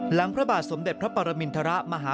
พระบาทสมเด็จพระปรมินทรมาฮา